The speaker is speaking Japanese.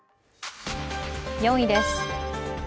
４位です。